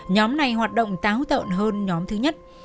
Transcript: nhóm này hoạt động táo tợn hơn nhóm thứ nhất